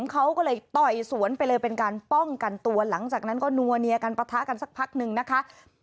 เขาก็เลยต่อยสวนไปเลยเป็นการป้องกันตัวหลังจากนั้นก็นัวเนียกันปะทะกันสักพักนึงนะคะ